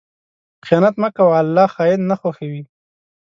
خیانت مه کوه، الله خائن نه خوښوي.